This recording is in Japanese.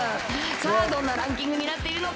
さあ、どんなランキングになっているのか。